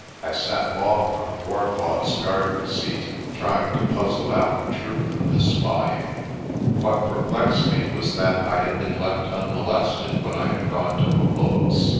I sat long on Wardlaw's garden seat, trying to puzzle out the truth of this spying. What perplexed me was that I had been left unmolested when I had gone to Umvelos'.